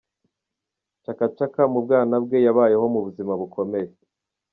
Chaka Chaka, mu bwana bwe, yabayeho mu buzima bukomeye.